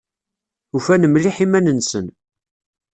Ufan mliḥ iman-nsen.